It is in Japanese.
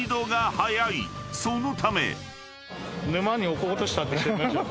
［そのため］